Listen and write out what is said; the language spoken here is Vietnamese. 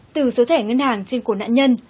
từ số thẻ ngân hàng trên cổ nạn nhân